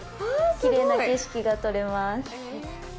きれいな景色が撮れます。